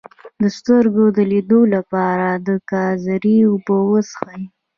د سترګو د لید لپاره د ګازرې اوبه وڅښئ